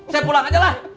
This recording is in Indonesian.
saya pulang aja lah